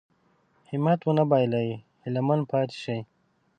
همت ونه بايلي هيله من پاتې شي.